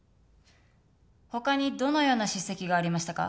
他にどのような叱責がありましたか？